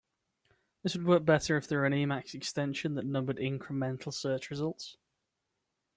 This would work better if there were an Emacs extension that numbered incremental search results.